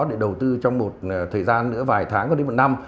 để đầu tư trong một thời gian nữa vài tháng còn đến một năm